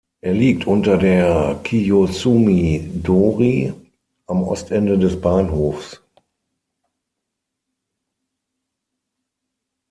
Er liegt unter der "Kiyosumi-dōri" am Ostende des Bahnhofs.